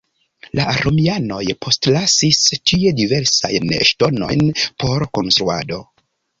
La romianoj postlasis tie diversajn ŝtonojn por konstruado.